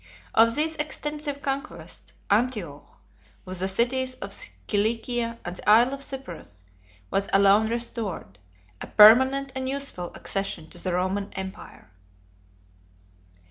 Of these extensive conquests, Antioch, with the cities of Cilicia and the Isle of Cyprus, was alone restored, a permanent and useful accession to the Roman empire.